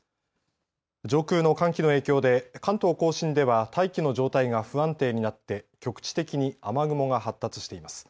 上空の寒気の影響で関東甲信では大気の状態が不安定になって局地的に雨雲が発達しています。